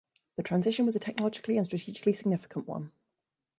The transition was a technologically and strategically significant one.